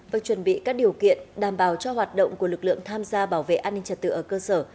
và chuẩn bị các điều kiện đảm bảo cho hoạt động của lực lượng tham gia bảo vệ an ninh trật tự ở cơ sở